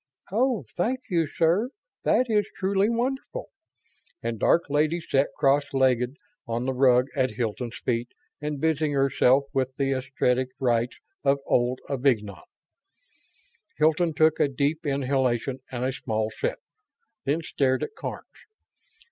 "Oh, thank you, sir; that is truly wonderful!" And Dark Lady sat cross legged on the rug at Hilton's feet and busied herself with the esoteric rites of Old Avignon. Hilton took a deep inhalation and a small sip, then stared at Karns.